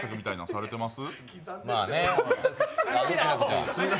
されてます？